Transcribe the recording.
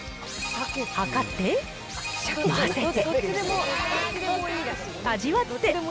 量って、混ぜて、味わって。